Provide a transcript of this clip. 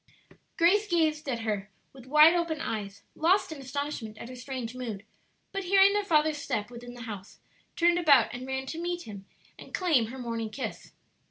Grace gazed at her with wide open eyes, lost in astonishment at her strange mood; but hearing their father's step within the house, turned about and ran to meet him and claim her morning kiss.